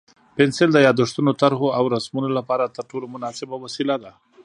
پنسل د یادښتونو، طرحو او رسمونو لپاره تر ټولو مناسبه وسیله ده.